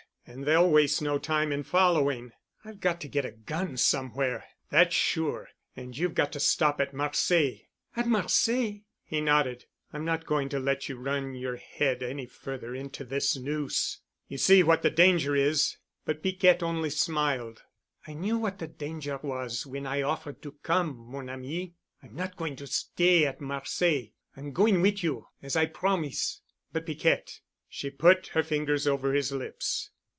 And they'll waste no time in following. I've got to get a 'gun' somewhere, that's sure, and you've got to stop at Marseilles." "At Marseilles?" He nodded. "I'm not going to let you run your head any further into this noose. You see what the danger is——" But Piquette only smiled. "I knew what de danger was when I offer'd to come, mon ami. I'm not going to stay at Marseilles. I'm going on wit' you, as I promis'." "But, Piquette——" She put her fingers over his lips.